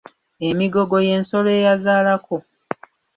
Emigogo y’ensolo eyazaalako.